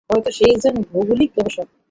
হয়তো সে একজন ভৌগলিক গবেষক!